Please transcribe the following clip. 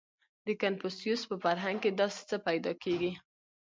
• د کنفوسیوس په فرهنګ کې داسې څه پیدا کېږي.